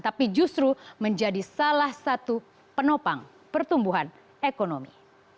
tapi justru menjadi salah satu penopang pertumbuhan ekonomi